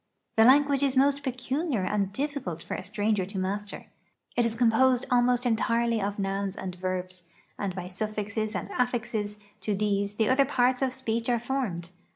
The language is most peculiar and difficult for a stranger to master. It is composed almost entirely of nouns and verbs, and by suffixes and affixes to these the other parts of speech are formed.